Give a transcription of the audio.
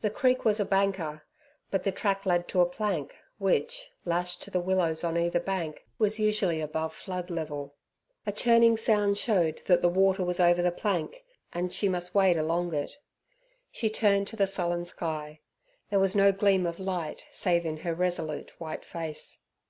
The creek was a banker, but the track led to a plank, which, lashed to the willows on cither bank, was usually above flood level. A churning sound showed that the water was over the plank, and she must wade along it. She turned to the sullen sky. There was no gleam of light save in her resolute, white face.